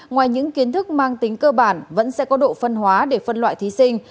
ngoài những kiến thức mang tính cơ bản vẫn sẽ có độ phân hóa để phân loại thí sinh